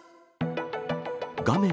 画面